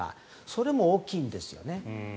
それも大きいんですよね。